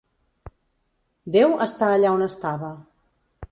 Déu està allà on estava.